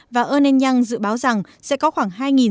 và unenyang dự báo rằng sẽ có khoảng